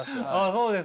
そうですか。